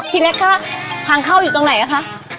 เล็กคะทางเข้าอยู่ตรงไหนอะคะ